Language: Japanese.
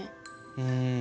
うん。